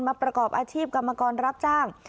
ประกอบอาชีพกรรมกรรับจ้าง